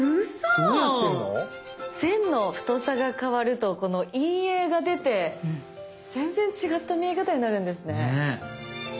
どうなってんの⁉線の太さが変わるとこの陰影が出て全然違った見え方になるんですね。